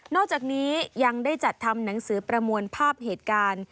อกจากนี้ยังได้จัดทำหนังสือประมวลภาพเหตุการณ์